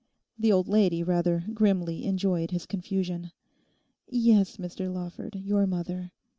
The old lady rather grimly enjoyed his confusion. 'Yes, Mr Lawford, your mother.